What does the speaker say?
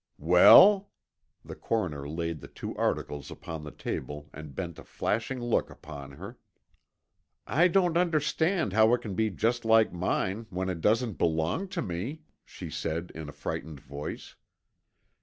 "Well?" The coroner laid the two articles upon the table and bent a flashing look upon her. "I don't understand how it can be just like mine when it doesn't belong to me," she said in a frightened voice.